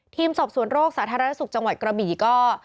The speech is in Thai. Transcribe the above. ทีมสอบสวนโรคสาธารณสุขจังหวัดกระบี่ก็